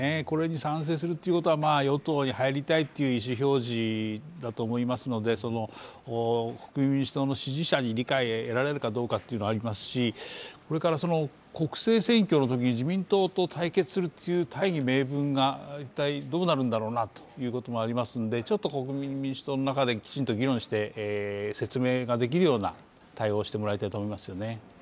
これに賛成するということは与党に入りたいという意思表示だと思いますので、国民民主党の支持者に理解を得られるかというのもありますし国政選挙のときに、自民党と対決するっていう大義名分が一体どうなるんだろうなということもありますので国民民主党の中できちんと議論して説明できるような対応をしてもらいたいなと思いますね。